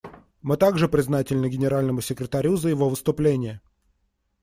Мы также признательны Генеральному секретарю за его выступление.